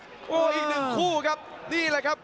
โอ้โหอีกหนึ่งคู่ครับนี่แหละครับ